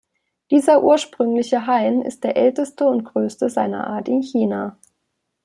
Dieser ursprüngliche Hain ist der älteste und größte seiner Art in China.